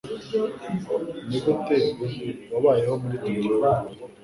Nigute wabayeho muri Tokiyo?